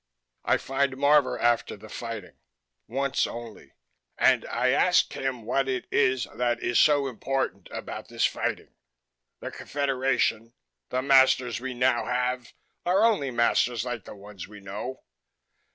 I find Marvor after the fighting, once only, and I ask him what it is that is so important about this fighting. The Confederation the masters we now have are only masters like the ones we know.